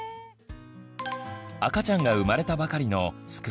赤ちゃんが生まれたばかりのすく